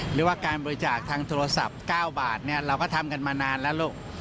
หรือว่าการบริจาคทางโทรศัพท์๙บาทเราก็ทำกันมานานแล้วลูก